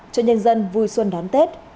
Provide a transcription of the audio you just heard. cho nhân dân vui xuân đón tết